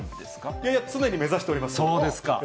いやいや、常に目指しておりそうですか。